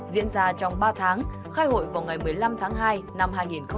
diễn ra trong ba tháng khai hội vào ngày một mươi năm tháng hai năm hai nghìn hai mươi